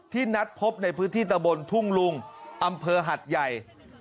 นัดพบในพื้นที่ตะบนทุ่งลุงอำเภอหัดใหญ่